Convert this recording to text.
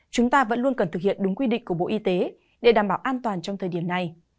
chúng ta vẫn luôn cần thực hiện đúng quy định của bộ y tế để đảm bảo an toàn trong thời điểm này